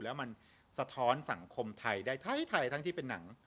แล้วมันสะท้อนสังคมไทยได้ไทยทั้งที่เป็นหนัง